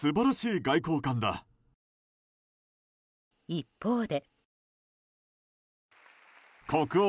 一方で。